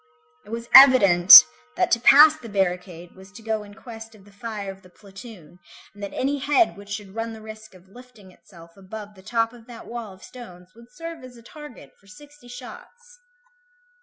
It was evident, that to pass the barricade was to go in quest of the fire of the platoon, and that any head which should run the risk of lifting itself above the top of that wall of stones would serve as a target for sixty shots.